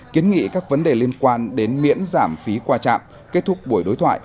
kiến nghị các vấn đề liên quan đến miễn giảm phí qua trạm kết thúc buổi đối thoại